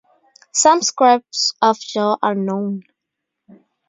Some scraps of jaw are known.